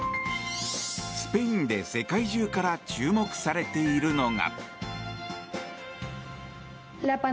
スペインで世界中から注目されているのが。